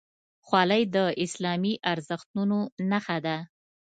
خولۍ د اسلامي ارزښتونو نښه ده.